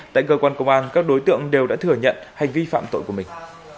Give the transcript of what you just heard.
tại cơ quan công an các đối tượng đều đã thừa nhận hành vi phạm tội của mình